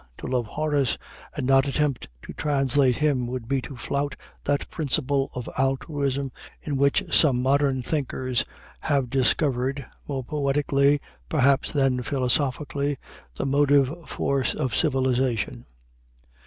To love Horace and not attempt to translate him would be to flout that principle of altruism in which some modern thinkers have discovered, more poetically perhaps than philosophically, the motive force of civilization.